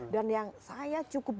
dan yang saya cukup